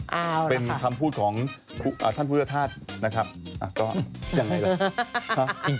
อ้าวแหละคะเป็นคำพูดของท่านพุทธธาตุนะครับอย่างไรล่ะ